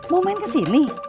mau main kesini